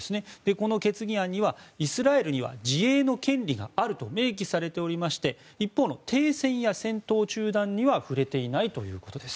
この決議案にはイスラエルには自衛の権利があると明記されておりまして一方の停戦や戦闘中断には触れていないということです。